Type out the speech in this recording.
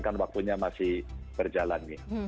kan waktunya masih berjalan nih